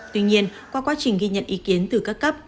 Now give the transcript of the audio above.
tuy nhiên qua quá trình ghi nhận ý kiến từ các cấp